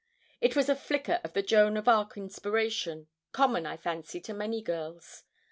It was a flicker of the Joan of Arc inspiration, common, I fancy, to many girls.